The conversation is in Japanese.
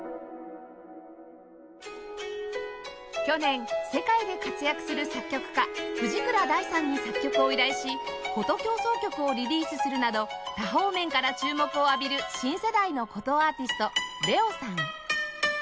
去年世界で活躍する作曲家藤倉大さんに作曲を依頼し『箏協奏曲』をリリースするなど多方面から注目を浴びる新世代の箏アーティスト ＬＥＯ さん